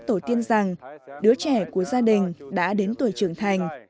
báo cáo với tổ tiên rằng đứa trẻ của gia đình đã đến tuổi trưởng thành